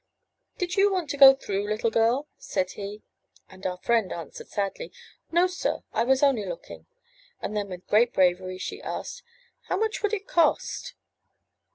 '*Did you want to go through, little girl?'' said he; and our friend answered sadly, '*No, sir; I was only looking.*' And then with great bravery she asked, '*How much would it cost?"